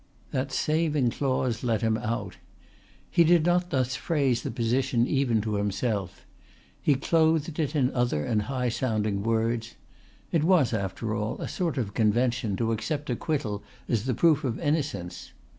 That saving clause let him out. He did not thus phrase the position even to himself. He clothed it in other and high sounding words. It was after all a sort of convention to accept acquittal as the proof of innocence.